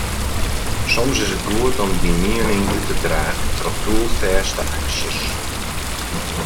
Soms is it goed om dyn miening út te dragen troch doelfêste aksjes.